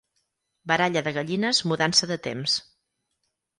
Baralla de gallines, mudança de temps.